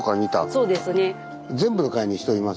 そうですね。